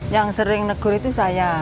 yang sering negur itu saya